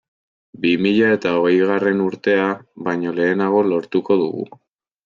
Bi mila eta hogeigarren urtea baino lehenago lortuko dugu.